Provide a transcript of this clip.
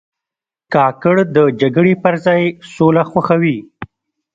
کاکړ د جګړې پر ځای سوله خوښوي.